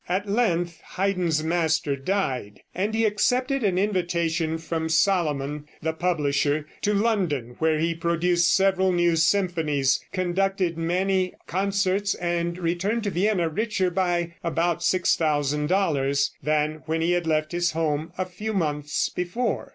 At length Haydn's master died, and he accepted an invitation from Salamon, the publisher, to London, where he produced several new symphonies, conducted many concerts and returned to Vienna richer by about $6,000 than when he had left his home a few months before.